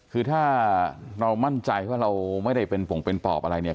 คือถ้าเรามั่นใจว่าเราไม่ได้เป็นปงเป็นปอบอะไรเนี่ย